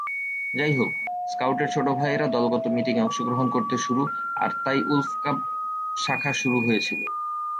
যাইহোক, স্কাউট এর ছোট ভাইয়েরা দলগত মিটিং এ অংশগ্রহণ করতে শুরু, আর তাই উলফ কাব শাখা শুরু হয়েছিল।